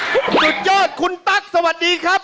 สุดยอดคุณตั๊กสวัสดีครับ